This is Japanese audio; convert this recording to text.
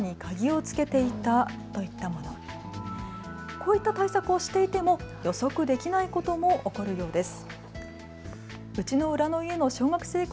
こういった対策をしていても予測できないことも起こるようです。